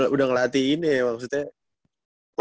udah ngelatiin ya maksudnya